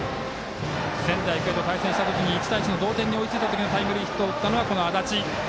仙台育英と対戦した時に１対１の同点に追いついたときにタイムリーヒットを打ったのは安達。